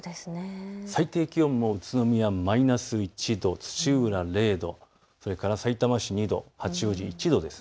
最低気温も宇都宮マイナス１度、土浦０度、それからさいたま市２度、八王子１度です。